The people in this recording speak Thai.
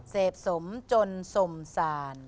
เสพสมจนสมสาร